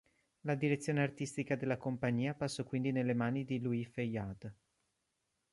La direzione artistica della compagnia passò quindi nelle mani di Louis Feuillade.